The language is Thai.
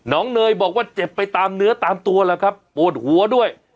เนยบอกว่าเจ็บไปตามเนื้อตามตัวแล้วครับปวดหัวด้วย